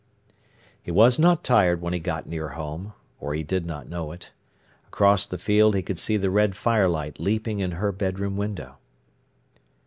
He was not tired when he got near home, or he did not know it. Across the field he could see the red firelight leaping in her bedroom window.